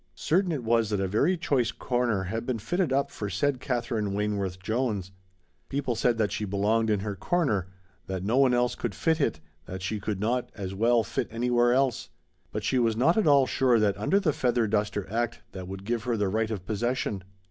Certain it was that a very choice corner had been fitted up for said Katherine Wayneworth Jones. People said that she belonged in her corner; that no one else could fit it, that she could not as well fit anywhere else. But she was not at all sure that under the feather duster act that would give her the right of possession.